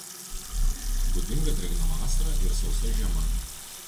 Būdinga drėgna vasara ir sausa žiema.